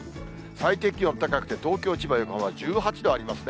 最低気温高くて、東京、千葉、横浜１８度ありますね。